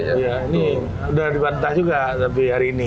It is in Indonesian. ya ini udah dibantah juga sampai hari ini